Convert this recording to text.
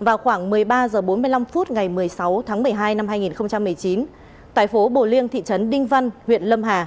vào khoảng một mươi ba h bốn mươi năm phút ngày một mươi sáu tháng một mươi hai năm hai nghìn một mươi chín tại phố bồ liêng thị trấn đinh văn huyện lâm hà